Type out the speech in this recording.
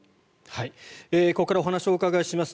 ここからはお話をお伺いします。